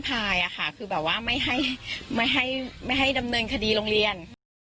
ไม่ให้แบบไม่ให้ดำเนินคดีโรงเรียน